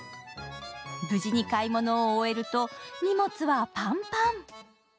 無事に買い物を終えると荷物はパンパン。